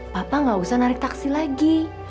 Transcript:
papa gak usah narik taksi lagi